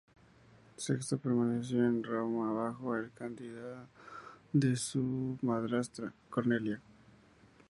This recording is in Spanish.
Sexto permaneció en Roma bajo el cuidado de su madrastra, Cornelia.